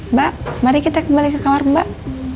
mbak mari kita kembali ke kamar mbak